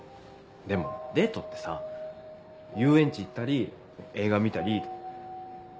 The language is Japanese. でもデートってさ遊園地行ったり映画見たり。